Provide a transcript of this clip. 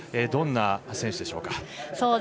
どんな選手でしょうか？